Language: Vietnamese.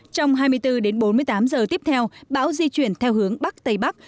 trong hai mươi bốn đến bốn mươi tám giờ tiếp theo bão di chuyển theo hướng bắc tây bắc